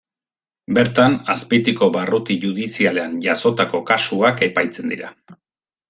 Bertan, Azpeitiko barruti judizialean jazotako kasuak epaitzen dira.